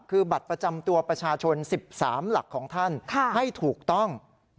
คือบัตรประจำตัวประชาชน๑๓หลักของท่านให้ถูกต้อง